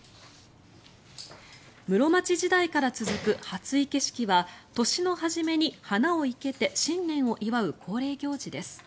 室町時代から続く初生け式は年の初めに花を生けて新年を祝う恒例行事です。